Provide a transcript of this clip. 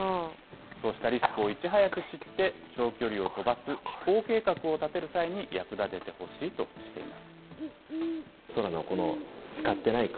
そうしたリスクをいち早く知って、長距離を飛ばす飛行計画を立てる際に役立ててほしいとしています。